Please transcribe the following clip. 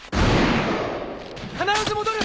必ず戻る！